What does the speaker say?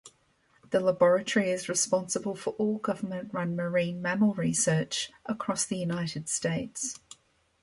The laboratory is responsible for all government-run marine mammal research across the United States.